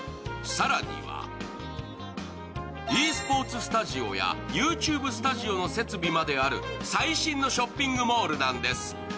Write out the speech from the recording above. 更にはｅスポーツスタジオやＹｏｕＴｕｂｅスタジオの設備まである最新のショッピングモールなんです。